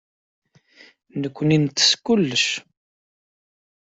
Nekkni nettess kullec.